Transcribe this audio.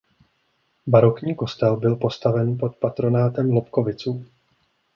Barokní kostel byl postaven pod patronátem Lobkoviců.